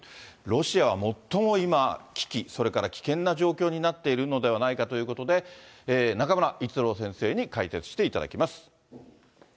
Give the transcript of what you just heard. ロシアは最も今、危機、それから危険な状況になっているのではないかということで、中村逸郎先生に解説していただきます。